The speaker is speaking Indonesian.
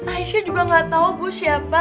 aisyah juga gak tau bu siapa